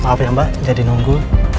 maaf ya mbak jadi nunggu